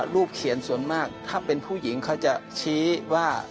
เขียนส่วนมากถ้าเป็นผู้หญิงเขาจะชี้ว่า